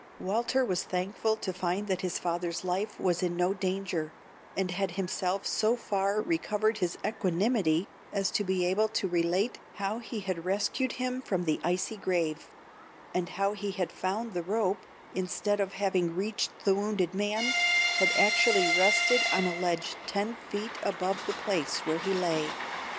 Walter was thankful to find that his father's life was in no danger, and had himself so far recovered his equanimity as to be able to relate how he had rescued him from his icy grave, and how he found that the rope, instead of having reached the wounded man, had actually rested on a ledge ten feet above the place where he lay.